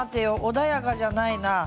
穏やかじゃないな。